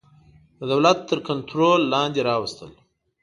د دولت تر کنټرول لاندي راوستل.